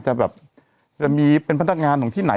จะแบบจะมีเป็นพนักงานของที่ไหน